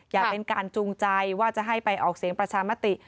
อย่าเป็นการจูงใจว่าจะให้ไปออกเสียงประชามติ